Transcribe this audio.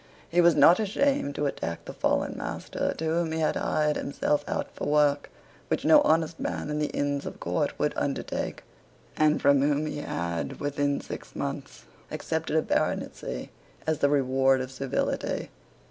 He was not ashamed to attack the fallen master to whom he had hired himself out for work which no honest man in the Inns of Court would undertake, and from whom he had, within six months, accepted a baronetcy as the reward of servility.